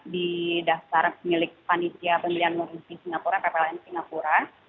di daftar milik panitia pemilihan luar negeri singapura ppln singapura